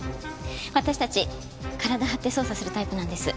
私たち体張って捜査するタイプなんです。